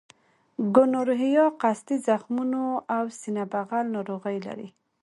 ګونورهیا قصدي زخمونو او سینه بغل ناروغۍ لري.